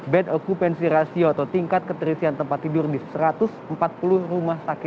bad occupancy ratio atau tingkat keterisian tempat tidur di satu ratus empat puluh rumah sakit